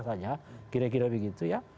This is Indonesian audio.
saja kira kira begitu ya